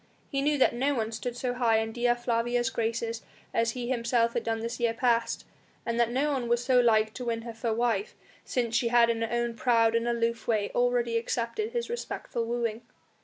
He knew that no one stood so high in Dea Flavia's graces as he himself had done this year past, and that no one was so like to win her for wife, since she had in her own proud and aloof way already accepted his respectful wooing.